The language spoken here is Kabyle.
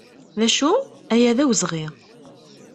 D acu? Aya d awezɣi!